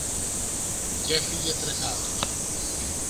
Κι έφυγε τρεχάτος.